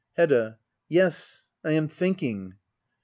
Hedda. Yes, I am thinking.